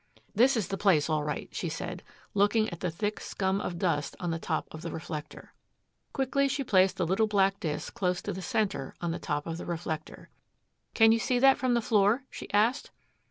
"This is the place, all right," she said, looking at the thick scum of dust on the top of the reflector. Quickly she placed the little black disc close to the center on the top of the reflector. "Can you see that from the floor?" she asked.